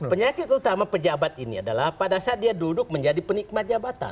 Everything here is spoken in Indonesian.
penyakit utama pejabat ini adalah pada saat dia duduk menjadi penikmat jabatan